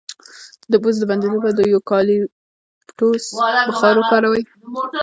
د پوزې د بندیدو لپاره د یوکالیپټوس بخار واخلئ